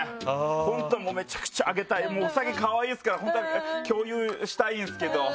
本当、めちゃくちゃあげたいウサギ、可愛いですから共有したいんですけど。